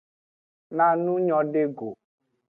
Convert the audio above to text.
Na nu nyode go.